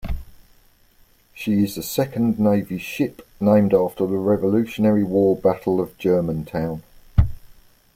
She is the second navy ship named after the Revolutionary War Battle of Germantown.